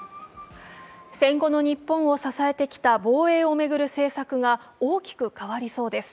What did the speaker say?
戦後の日本を支えてきた防衛の政策が大きく変わりそうです。